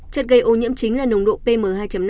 chất gây ô nhiễm chính là nồng độ pm hai năm